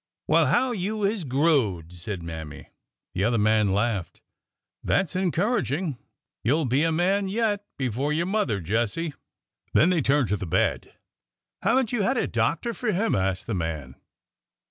^ "Well, how you is growed!'' said Mammy. I The other man laughed. i " That 's encouraging ! You 'll be a man yet before your mother, Jesse." Then they turned to the bed. " Have n't you had a doctor for him ?" asked the man.